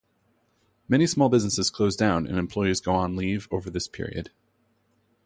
Many small businesses close down and employees go on leave over this period.